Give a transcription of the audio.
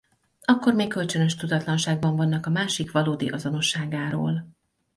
Akkor még kölcsönös tudatlanságban vannak a másik valódi azonosságáról.